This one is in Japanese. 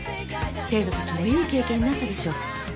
生徒たちもいい経験になったでしょ。